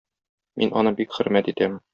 Мин аны бик хөрмәт итәм.